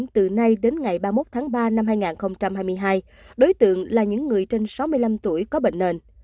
từ nay đến ngày ba mươi một tháng ba năm hai nghìn hai mươi hai đối tượng là những người trên sáu mươi năm tuổi có bệnh nền